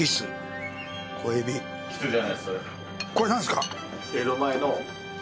これ何すか？